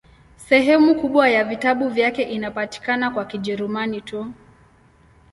Sehemu kubwa ya vitabu vyake inapatikana kwa Kijerumani tu.